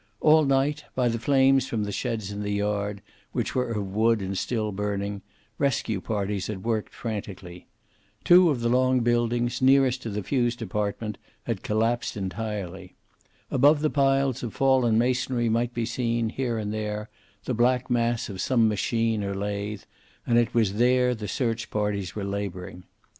All night, by the flames from the sheds in the yard, which were of wood and still burning, rescue parties had worked frantically. Two of the long buildings, nearest to the fuse department, had collapsed entirely. Above the piles of fallen masonry might be seen, here and there, the black mass of some machine or lathe, and it was there the search parties were laboring.